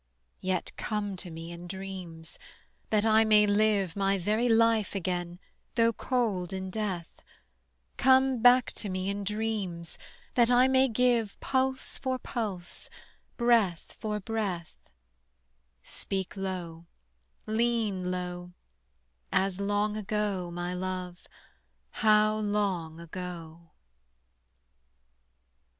Yet come to me in dreams, that I may live My very life again though cold in death: Come back to me in dreams, that I may give Pulse for pulse, breath for breath: Speak low, lean low, As long ago, my love, how long ago!